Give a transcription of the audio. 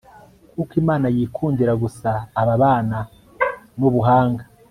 kuko imana yikundira gusa ababana n'ubuhanga